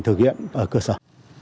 thực hiện ở cơ sở